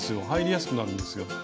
入りやすくなるんですよ。